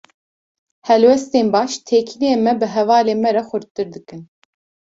Helwestên baş, têkiliyên me bi hevalên me re xurttir dikin.